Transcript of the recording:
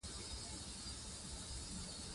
اوښ د افغانستان د سیاسي جغرافیه برخه ده.